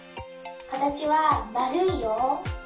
かたちはまるいよ。